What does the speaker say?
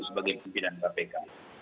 sebagai pimpinan kpk